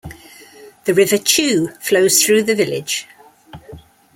The River Chew flows through the village.